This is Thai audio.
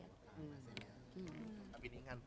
บางทีเค้าแค่อยากดึงเค้าต้องการอะไรจับเราไหล่ลูกหรือยังไง